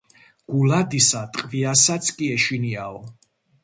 გულადისა ტყვიასაც კი ეშინიაო.